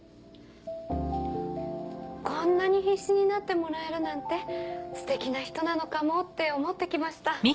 こんなに必死になってもらえるなんてステキな人なのかもって思って来ました。